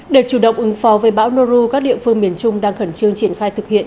để chủ động ứng phó với bão noru các địa phương miền trung đang khẩn trương triển khai thực hiện